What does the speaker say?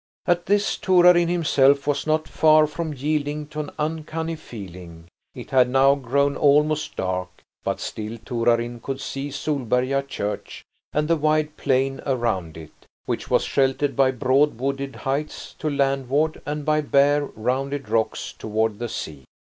At this Torarin himself was not far from yielding to an uncanny feeling. It had now grown almost dark, but still Torarin could see Solberga church and the wide plain around it, which was sheltered by broad wooded heights to landward and by bare, rounded rocks toward the sea.